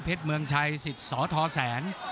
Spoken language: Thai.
เพชรเมืองชัย๑๐สธแสน